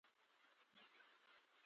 د مطرح کېدلو مخه یې ونیول شي.